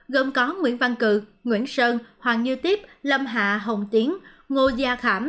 gồm có nguyễn văn cử nguyễn sơn hoàng như tiếp lâm hạ hồng tiến ngô gia khảm